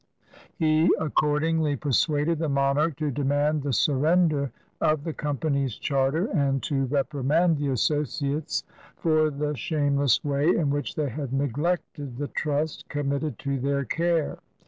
He accordingly persuaded the mon arch to demand the surrender of the G>mpany's charter and to reprimand the Associates for the shameless way in which they had neglected the trust committed to their care.